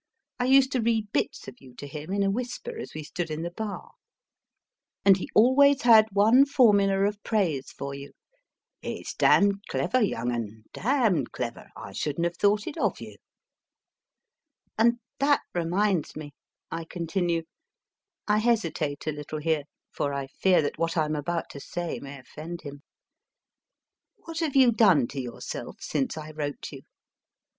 [ used to read bits of you to him in a whisper as we stood in the bar ; and he always had one HE AND YOU HAD TO CARRY LISA WEBER ACROSS THE STAGE 5 formula of praise for you :" It s damned clever, young un ; damned clever. I shouldn t have thought it of you." And that reminds me, I continue I hesitate a little here, for I fear what I am about to say may offend him * what have you done to yourself since I wrote you